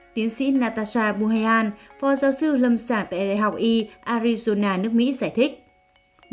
tiến sĩ natasha buhayan pho giáo sư lâm sản tại đại học y arizona nước mỹ giải thích